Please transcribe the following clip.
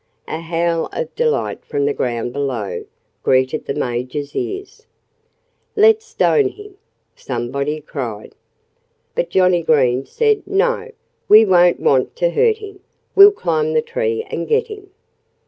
A howl of delight from the ground below greeted the Major's ears. "Let's stone him!" somebody cried. But Johnnie Green said, "No! We don't want to hurt him. We'll climb the tree and get him."